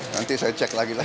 nanti saya cek lagi lah